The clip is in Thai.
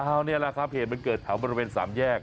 เอานี่แหละครับเหตุมันเกิดแถวบริเวณสามแยก